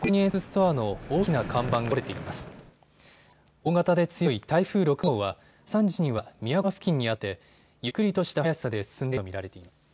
大型で強い台風６号は午後３時には宮古島付近にあってゆっくりとした速さで進んでいると見られています。